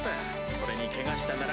それにけがしたなら。